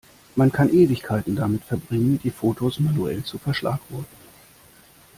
Man kann Ewigkeiten damit verbringen, die Fotos manuell zu verschlagworten.